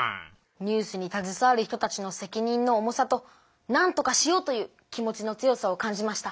ニュースにたずさわる人たちのせきにんの重さとなんとかしようという気持ちの強さを感じました。